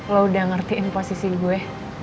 lo udah ngertiin posisi gue